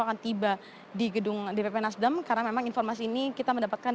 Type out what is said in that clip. akan tiba di gedung dpp nasdem karena memang informasi ini kita mendapatkan